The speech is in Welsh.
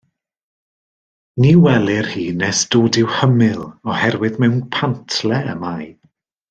Ni welir hi nes dod i'w hymyl, oherwydd mewn pantle y mae.